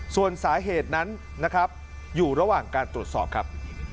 ส่วนสาเหตุนั้นนะครับอยู่ระหว่างการตรวจสอบครับ